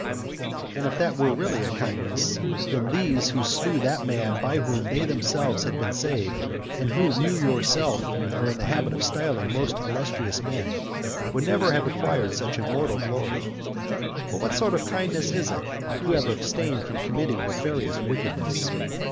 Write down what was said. and if that were really a kindness, then these who slew that man by whom they themselves had been saved, and whom you yourself are in the habit of styling most illustrious men, would never have acquired such immortal glory. But what sort of kindness is it, to have abstained from committing nefarious wickedness?